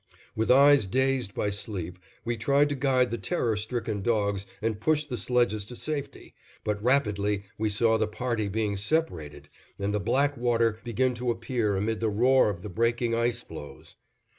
With eyes dazed by sleep, we tried to guide the terror stricken dogs and push the sledges to safety, but rapidly we saw the party being separated and the black water begin to appear amid the roar of the breaking ice floes.